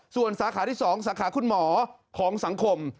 ส่วนสาขาที่๒สาขาคุณหมอของสังคม